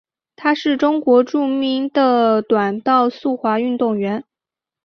她是中国著名的短道速滑运动员。